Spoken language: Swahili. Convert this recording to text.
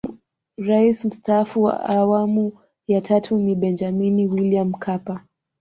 Rais Mstaafu wa Awamu ya tatu ni Benjamini William Mkapa